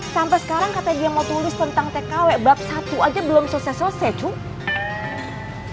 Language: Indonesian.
sampai sekarang katanya dia mau tulis tentang tkw bab satu aja belum selesai selesai tuh